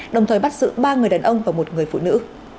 đồng thời bắt giữ ba người đàn ông và một người phụ nữ